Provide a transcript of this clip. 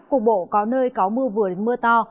cục bộ có nơi có mưa vừa đến mưa to